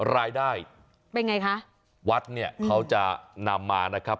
รายได้วัดเนี่ยเขาจะนำมานะครับ